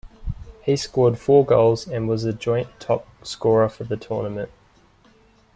He scored four goals and was a joint top scorer of the tournament.